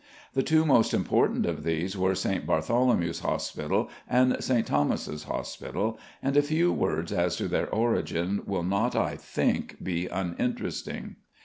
The two most important of these were St. Bartholomew's Hospital and St. Thomas's Hospital, and a few words as to their origin will not, I think, be uninteresting.